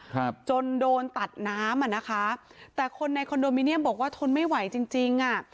ครับจนโดนตัดน้ำอ่ะนะคะแต่คนในคอนโดมิเนียมบอกว่าทนไม่ไหวจริงจริงอ่ะ